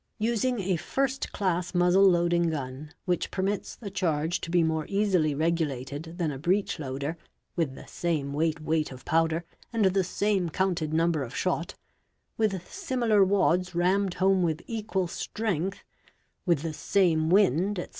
Using a first class muzzle loading gun, which permits the charge to be more easily regulated than a breech loader, with the same weighed weight of powder and the same counted number of shot, with similar wads rammed home with equal strength, with the same wind, etc.